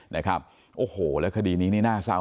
มีรถกระบะจอดรออยู่นะฮะเพื่อที่จะพาหลบหนีไป